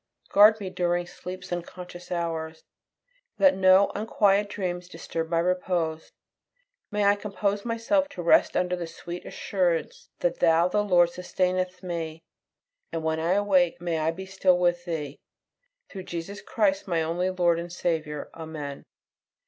Guard me during sleep's unconscious hours. Let no unquiet dreams disturb my repose; may I compose myself to rest under the sweet assurance that Thou the Lord sustainest me; and when I awake, may I be still with Thee, through Jesus Christ, my only Lord and Saviour. Amen.